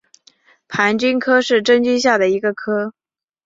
盘菌科是真菌下的一个科。